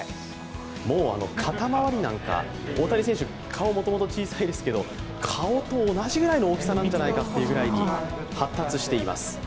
もう肩回りなんか、大谷選手、顔がもともと小さいですけど、顔と同じくらいの大きさなんじゃないかというくらい発達しています。